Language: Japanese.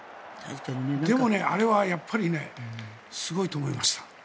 でも、あれはやっぱりすごいと思いました。